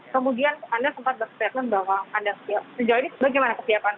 kemudian anda sempat berstatement bahwa anda sejauh ini bagaimana kesiapan